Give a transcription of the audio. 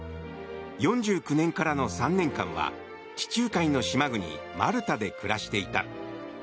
４９年からの３年間は地中海の島国マルタで暮らしていた。